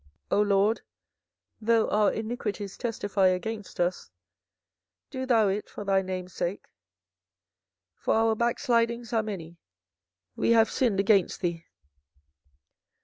24:014:007 O LORD, though our iniquities testify against us, do thou it for thy name's sake: for our backslidings are many; we have sinned against thee.